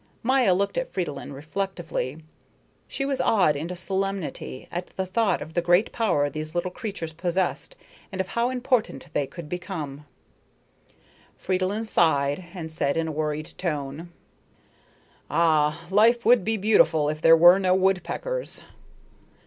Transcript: Maya looked at Fridolin reflectively; she was awed into solemnity at the thought of the great power these little creatures possessed and of how important they could become. Fridolin sighed and said in a worried tone: "Ah, life would be beautiful if there were no woodpeckers."